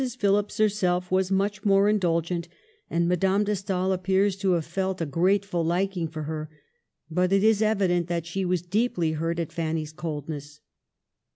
Phillips herself was much more indulgent, and Madame de Stael appears to have felt a grateful liking for her ' K but it is evident that she was deeply hurt at Fanny's coldness.